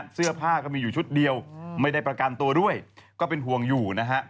เสื้อผ้าก็มีอยู่ชุดเดียวไม่ได้ประกันตัวด้วยก็เป็นห่วงอยู่นะฮะ